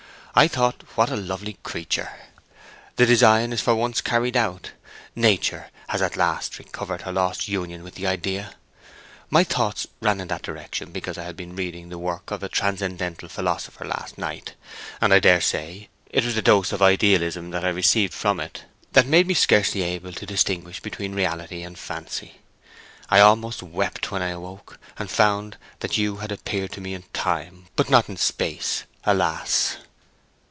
I thought, what a lovely creature! The design is for once carried out. Nature has at last recovered her lost union with the Idea! My thoughts ran in that direction because I had been reading the work of a transcendental philosopher last night; and I dare say it was the dose of Idealism that I received from it that made me scarcely able to distinguish between reality and fancy. I almost wept when I awoke, and found that you had appeared to me in Time, but not in Space, alas!"